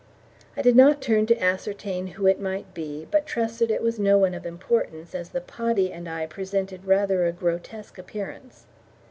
I did not turn to ascertain who it might be, but trusted it was no one of importance, as the poddy and I presented rather a grotesque appearance.